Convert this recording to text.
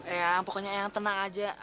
eang pokoknya eang tenang aja